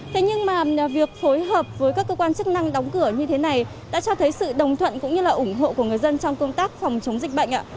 thế nhưng mà việc phối hợp với các cơ quan chức năng đóng cửa như thế này đã cho thấy sự đồng thuận cũng như là ủng hộ của người dân trong công tác phòng chống dịch bệnh ạ